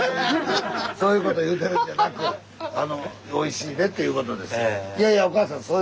そういうこと言うてるんじゃなくあの「おいしいね」っていうことですよ。